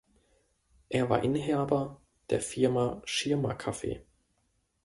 Er war Inhaber der Firma Schirmer Kaffee.